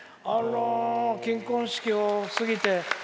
金婚式を過ぎて。